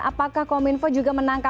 apakah kominfo juga menangkal